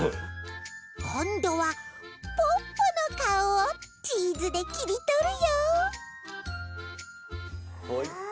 こんどはポッポのかおをチーズできりとるよほい。